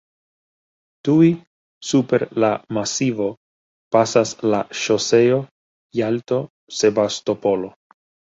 Tuj super la masivo pasas la ŝoseo Jalto-Sebastopolo.